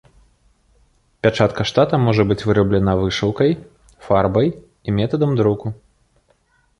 Пячатка штата можа быць выраблена вышыўкай, фарбай і метадам друку.